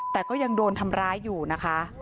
แต่ก็ยังโดนทำร้ายอยู่นะคะ